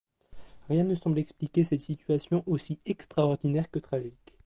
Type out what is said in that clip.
Rien ne semble expliquer cette situation aussi extraordinaire que tragique.